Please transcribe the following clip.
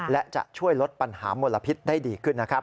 และจะช่วยลดปัญหามลพิษได้ดีขึ้นนะครับ